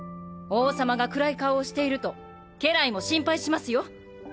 王様が暗い顔をしていると家来も心配しますよ。